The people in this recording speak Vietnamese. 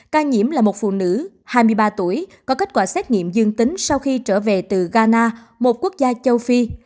ca nhiễm là một phụ nữ hai mươi ba tuổi có kết quả xét nghiệm dương tính sau khi trở về từ ghana một quốc gia châu phi